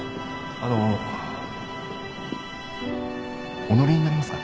あのお乗りになりますか？